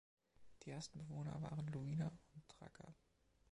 Die ersten Bewohner waren Luwiner und Thraker.